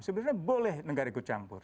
sebenarnya boleh negara ikut campur